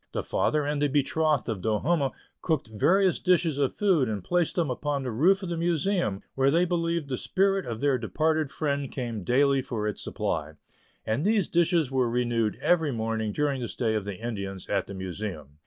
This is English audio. The father and the betrothed of Do humme cooked various dishes of food and placed them upon the roof of the Museum, where they believed the spirit of their departed friend came daily for its supply; and these dishes were renewed every morning during the stay of the Indians at the Museum.